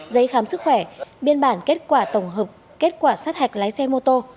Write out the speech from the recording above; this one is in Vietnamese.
giấy khám sức khỏe biên bản kết quả tổng hợp kết quả sát hạch lái xe mô tô